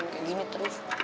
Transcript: kayak gini terus